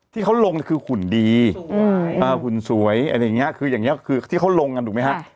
ที่เขาลงคือหุ่นดีหุ่นสวยอะไรอย่างนี้คืออย่างนี้คือที่เขาลงกันถูกไหมฮะ